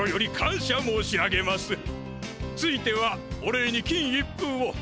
ついてはお礼に金一封を。